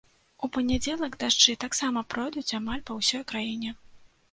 У панядзелак дажджы таксама пройдуць амаль па ўсёй краіне.